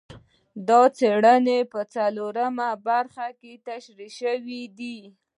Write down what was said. دا څېړنې په څلورمه برخه کې تشرېح شوي دي.